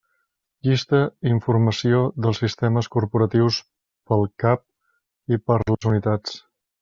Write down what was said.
Llista informació dels sistemes corporatius per al cap i per a les unitats.